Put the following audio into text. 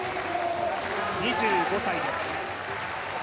２５歳です。